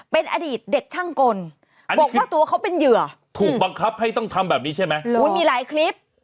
เป็นอดีตเด็กช่างกลบอกว่าตัวเขาเป็นเหยื่อถูกบังคับให้ต้องทำแบบนี้ใช่ไหมอุ้ยมีหลายคลิป